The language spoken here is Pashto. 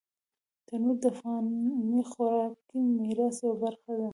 تنور د افغاني خوراکي میراث یوه برخه ده